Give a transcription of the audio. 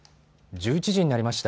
１１時になりました。